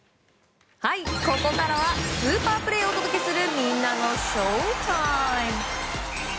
ここからはスーパープレーをお届けするみんなのＳＨＯＷＴＩＭＥ！